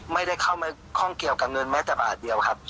ไม่ได้เข้ามาข้องเกี่ยวกับเงินแม้แต่บาทเดียวครับ